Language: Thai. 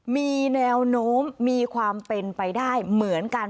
มีแนวโน้มมีความเป็นไปได้เหมือนกัน